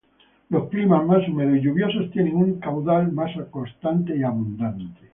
Los climas más húmedos y lluviosos tienen un caudal más constante y abundante.